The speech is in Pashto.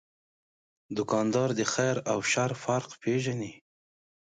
دوکاندار د خیر او شر فرق پېژني.